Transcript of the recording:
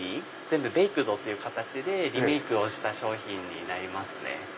全部ベイクドって形でリメイクした商品になりますね。